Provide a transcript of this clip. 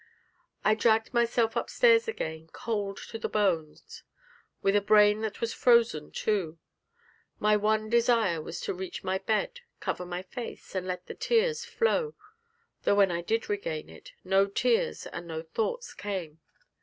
I dragged myself upstairs again, cold to the bones, with a brain that was frozen too. My one desire was to reach my bed, cover my face, and let the tears flow; though, when I did regain it, no tears and no thoughts came.